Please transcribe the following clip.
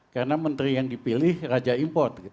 karena menteri yang dipilih raja import